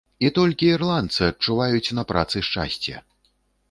І толькі ірландцы адчуваюць на працы шчасце.